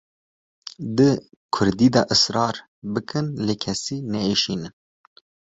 Di kurdî de israr bikin lê kesî neêşînin.